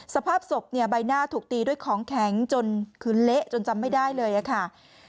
สภาพศพเนี่ยใบหน้าถูกตีด้วยของแข็งจนคือเละจนจำไม่ได้เลยค่ะ